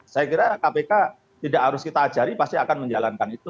saya kira kpk tidak harus kita ajari pasti akan menjalankan itu